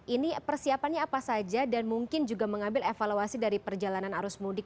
ini persiapannya apa saja dan mungkin juga mengambil evaluasi dari perjalanan arus mudik